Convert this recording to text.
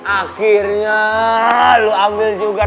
akhirnya lu ambil juga